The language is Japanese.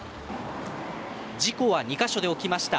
事故は２か所で起きました。